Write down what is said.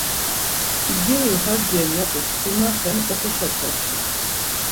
Mgeri hak ren ya do şkurnaten oxoşa kextu.